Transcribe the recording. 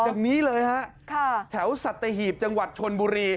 ขนาดนี้เลยฮะแถวสัตว์ตะหีบจังหวัดชนบุรี